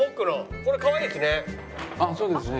これかわいいですね。